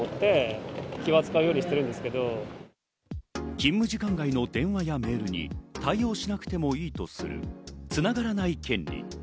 勤務時間外の電話やメールに対応しなくてもいいとする、つながらない権利。